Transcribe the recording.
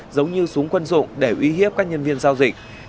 giống như súng quân dụng để uy hiếp các nhân viên giao dịch